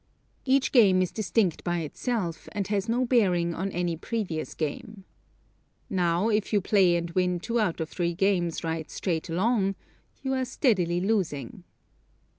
Each game is distinct by itself, and has no bearing on any previous game. Now, if you play and win two out of three games right straight along, you are steadily losing.